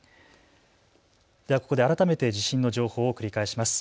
ではここで改めて地震の情報を繰り返します。